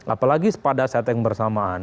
apalagi pada set yang bersamaan